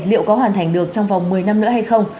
liệu có hoàn thành được trong vòng một mươi năm nữa hay không